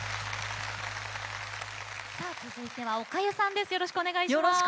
続いては、おかゆさんです。